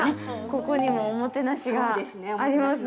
ここにもおもてなしがありますね。